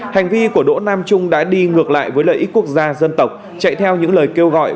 hành vi của đỗ nam trung đã đi ngược lại với lợi ích quốc gia dân tộc chạy theo những lời kêu gọi